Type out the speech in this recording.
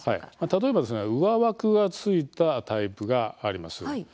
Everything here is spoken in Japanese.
例えば上枠がついたタイプがあります。